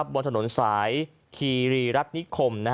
บนถนนสายคีรีรัฐนิคม